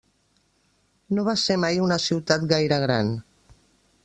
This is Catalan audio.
No va ser mai una ciutat gaire gran.